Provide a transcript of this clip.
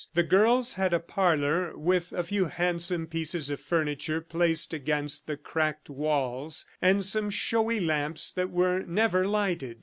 The girls had a parlor with a few handsome pieces of furniture placed against the cracked walls, and some showy lamps that were never lighted.